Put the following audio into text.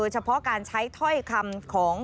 เฉพาะการใช้ถ้อยคำของ